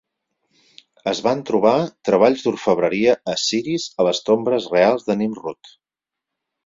Es van trobar treballs d'orfebreria assiris a les tombes reals de Nimrud.